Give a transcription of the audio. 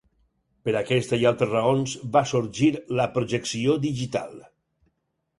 Per aquesta i altres raons va sorgir la projecció digital.